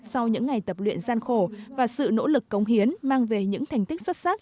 sau những ngày tập luyện gian khổ và sự nỗ lực công hiến mang về những thành tích xuất sắc